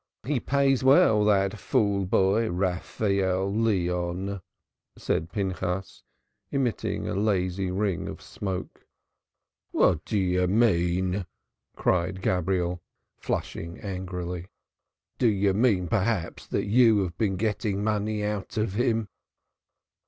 "Ah, he pays well, that boy fool, Raphael Leon," said Pinchas, emitting a lazy ring of smoke. "What do you mean?" cried Gabriel, flushing angrily. "Do you mean, perhaps, that you have been getting money out of him?"